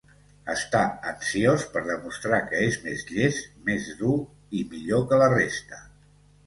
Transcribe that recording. Està ansiós per demostrar que és més llest, més dur i millor que la resta.